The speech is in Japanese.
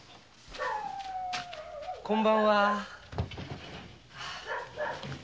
こんばんは。